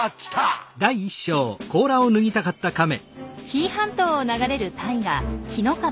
紀伊半島を流れる大河紀の川。